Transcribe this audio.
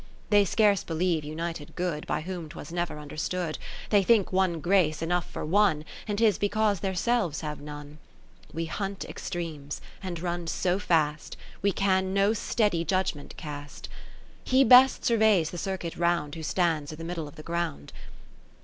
XV They scarce believe united good, By whom 'twas never understood : They think one Grace enough for one, And 'tis because their selves have none. 60 XVI We hunt extremes, and run so fast, We can no steady judgement cast : o 2 Kath ertne Philips He best surveys the circuit round, Who stands i' th' middle of the ground.